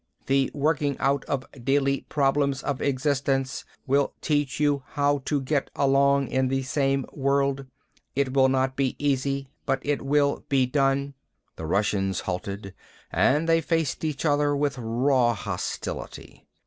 The working out of daily problems of existence will teach you how to get along in the same world. It will not be easy, but it will be done." The Russians halted and they faced each other with raw hostility.